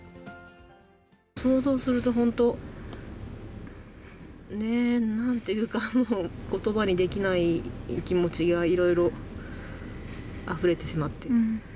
想像すると本当、なんていうか、もうことばにできない気持ちがいろいろあふれてしまって。